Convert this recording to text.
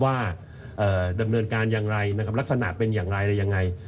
ว่าดำเนินการอย่างไรนะครับลักษณะเป็นอย่างไรอะไรยังไง